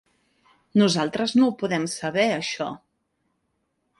Nosaltres no ho podem saber això.